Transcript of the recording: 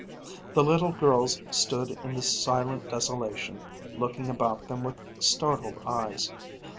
The little girls stood in this silent desolation, looking about them with startled eyes.